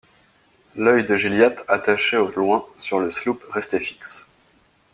L’œil de Gilliatt, attaché au loin sur le sloop, restait fixe.